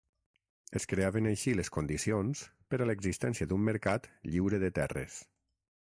Es creaven així les condicions per a l'existència d'un mercat lliure de terres.